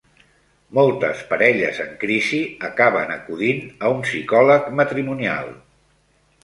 Moltes parelles en crisi acaben acudint a un psicòleg matrimonial.